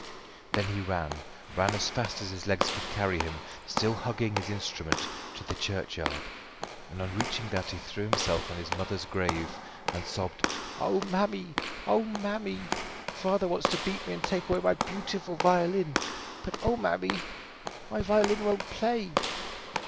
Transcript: Then he ran ran as fast as his legs could carry him, still hugging his instrument to the churchyard; and on reaching that he threw himself on his mother's grave and sobbed: "Oh, mammy, mammy! father wants to beat me and take away my beautiful violin but oh, mammy! my violin won't play."